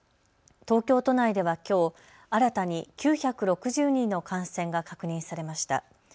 東京都内ではきょう新たに９６０人の感染が確認されました。